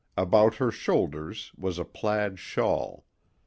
About her shoulders was a plaid shawl.